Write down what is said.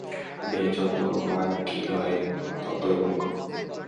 বে যত মাগগি হয়, ততই মঙ্গল।